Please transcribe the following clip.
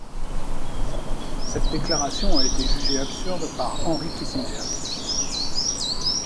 Cette déclaration a été jugée absurde par Henry Kissinger.